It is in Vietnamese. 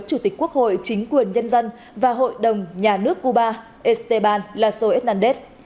chủ tịch quốc hội chính quyền nhân dân và hội đồng nhà nước cuba esteban lasso hernández